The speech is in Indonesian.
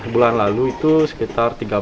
bulan lalu itu sekitar tiga belas